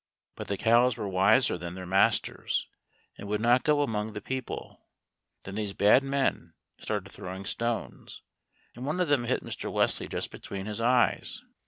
But the cows were wiser than their masters, and would not go among the people. Then these bad men started throwing stones, and one of them hit Mr. Wesley just between his eyes.